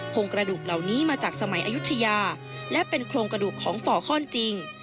โครงกระดูกเหล่านี้มาจากสมัยอายุทยาและเป็นโครงกระดูกของฟอร์คอนจริง